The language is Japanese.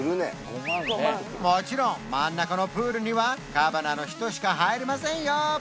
もちろん真ん中のプールにはカバナの人しか入れませんよ